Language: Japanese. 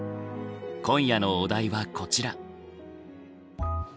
今夜のお題はこちら。